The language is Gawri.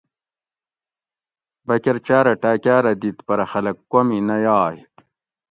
بکۤر چاۤرہ ٹاۤکاۤرہ دِیت پرہ خلک کومی نہ یائ